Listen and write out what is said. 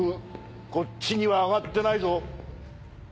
こっちにはあがってないぞ。